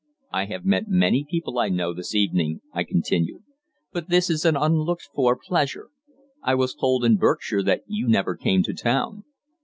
"I have met many people I know, this evening," I continued, "but this is an unlooked for pleasure. I was told in Berkshire that you never came to town."